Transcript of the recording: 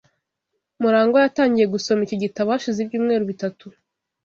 MuragwA yatangiye gusoma icyo gitabo hashize ibyumweru bitatu